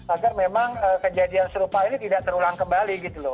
agar memang kejadian serupa ini tidak terulang kembali gitu loh